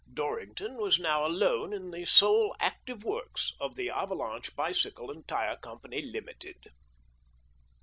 Dorrington was now alone in the sole active works of the "Avalanche Bicycle and Tyre Company, Limited."